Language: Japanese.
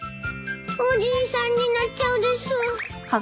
おじいさんになっちゃうです。